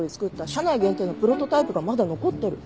社内限定のプロトタイプがまだ残ってる。